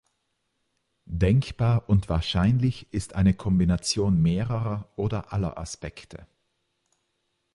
Denkbar und wahrscheinlich ist eine Kombination mehrerer oder aller Aspekte.